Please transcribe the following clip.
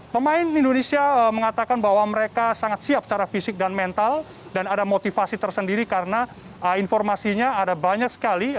pemain indonesia mengatakan bahwa mereka sangat siap secara fisik dan mental dan ada motivasi tersendiri karena informasinya ada banyak sekali